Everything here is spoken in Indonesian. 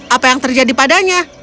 apa yang terjadi padanya